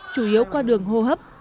chủ yếu qua đường hô hấp